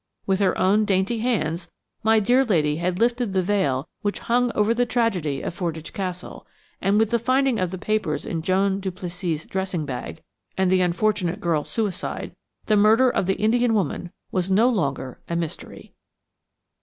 With her own dainty hands my dear lady had lifted the veil which hung over the tragedy of Fordwych Castle, and with the finding of the papers in Joan Duplessis's dressing bag, and the unfortunate girl's suicide, the murder of the Indian woman was no longer a mystery.